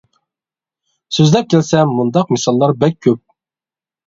سۆزلەپ كەلسەم مۇنداق مىساللار بەك كۆپ.